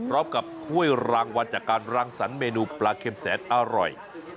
กับถ้วยรางวัลจากการรังสรรคเมนูปลาเค็มแสนอร่อย